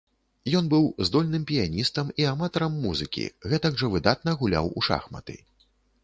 Ён быў здольным піяністам і аматарам музыкі, гэтак жа выдатна гуляў у шахматы.